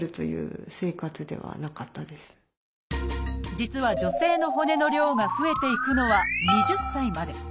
実は女性の骨の量が増えていくのは２０歳まで。